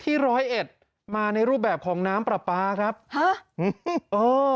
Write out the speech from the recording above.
ร้อยเอ็ดมาในรูปแบบของน้ำปลาปลาครับฮะอืมเออ